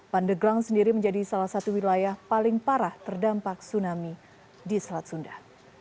pandeglang sendiri menjadi salah satu wilayah paling parah terdampak tsunami di selat sunda